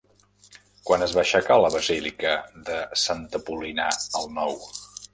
Quan es va aixecar la basílica de Sant Apol·linar el Nou?